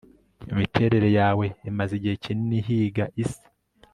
Imiterere yawe imaze igihe kinini ihiga isi